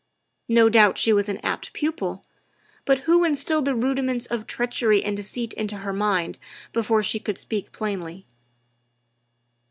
No doubt she was an apt pupil, but who instilled the rudiments of treachery and deceit into her mind before she could speak plainly?"